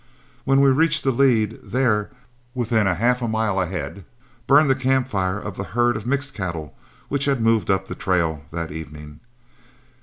When we reached the lead, there, within half a mile ahead, burned the camp fire of the herd of mixed cattle which had moved up the trail that evening.